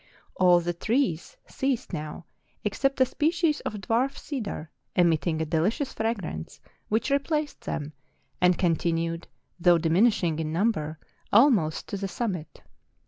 All the trees ceased now, except a species of dwarf cedar, emitting a delicious fragrance, which replaced them, and con¬ tinued, though diminishing in number, almost to the summit.